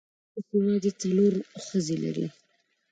اوس یوازې څلور ښځې لري.